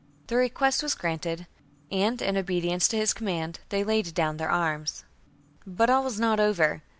Their request was granted ; and, in obedience to his command, they laid down their arms. Fruitless 2 2. But all was not over.